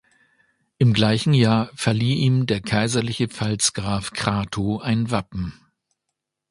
Im gleichen Jahr verlieh ihm der kaiserliche Pfalzgraf Crato ein Wappen.